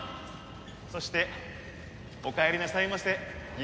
そしておかえりなさいませギ